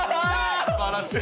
すばらしい。